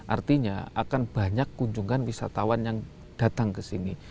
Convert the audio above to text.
artinya akan banyak kunjungan wisatawan yang datang ke sini